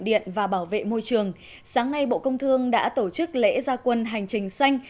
điện và bảo vệ môi trường sáng nay bộ công thương đã tổ chức lễ gia quân hành trình xanh